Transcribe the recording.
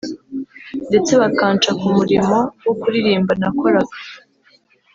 ndetse bakanca ku murimo wo kuririmba nakoraga